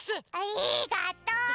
ありがとう！